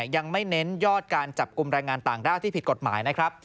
ยังไม่เน้นยอดการจับกลุ่มแรงงานต่างด้าวที่ผิดกฎหมายนะครับ